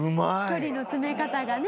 距離の詰め方がね。